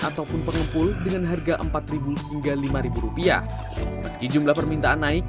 ataupun pengepul dengan harga empat ribu hingga lima rupiah meski jumlah permintaan naik